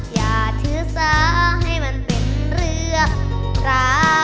อย่าถือสาให้มันเป็นเรือพระ